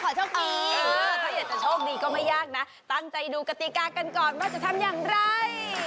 โชคดีถ้าอยากจะโชคดีก็ไม่ยากนะตั้งใจดูกติกากันก่อนว่าจะทำอย่างไร